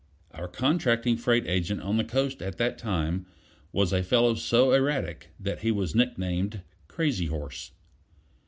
Our contracting freight agent on the Coast at that time was a fellow so erratic that he was nicknamed "Crazy horse."